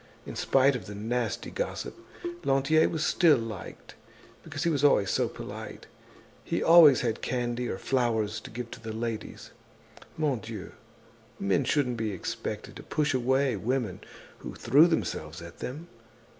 In spite of the nasty gossip, Lantier was still liked because he was always so polite. He always had candy or flowers to give the ladies. Mon Dieu! Men shouldn't be expected to push away women who threw themselves at them.